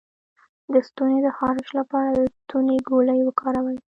د ستوني د خارش لپاره د ستوني ګولۍ وکاروئ